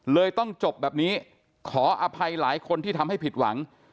เลยต้องจบแบบนี้ขออภัยหลายคนที่ทำให้ผิดหวัง